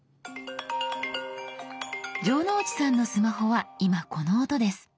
城之内さんのスマホは今この音です。